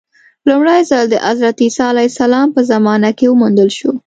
لومړی ځل د حضرت عیسی علیه السلام په زمانه کې وموندل شو.